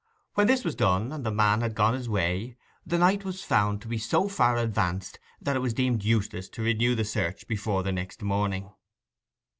When this was done, and the man had gone his way, the night was found to be so far advanced that it was deemed useless to renew the search before the next morning.